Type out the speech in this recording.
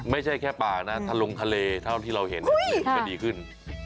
ไม่ใช่แค่ป่านะทะลงทะเลเท่าที่เราเห็นก็ดีขึ้น